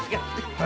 はい。